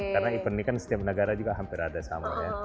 karena event ini kan setiap negara juga hampir ada sama ya